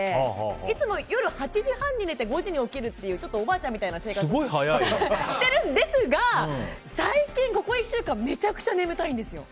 いつも夜８時半に寝て５時に起きるっていうおばあちゃんみたいな生活をしてるんですが最近、ここ１週間めちゃくちゃ眠たいんですよ。